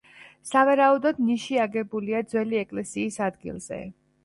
სავარაუდოდ ნიში აგებულია ძველი ეკლესიის ადგილზე.